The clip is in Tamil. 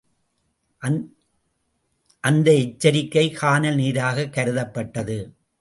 அந்த எச்சரிக்கை கானல் நீராகக்கருதப்பட்டது.